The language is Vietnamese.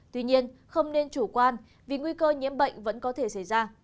tuy nhiên không nên chủ quan vì nguy cơ nhiễm bệnh vẫn có thể xảy ra